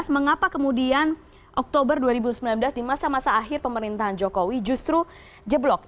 mengapa kemudian oktober dua ribu sembilan belas di masa masa akhir pemerintahan jokowi justru jeblok